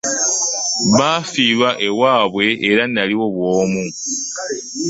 Bafiirwa ewabwe era naliwo bw'omu.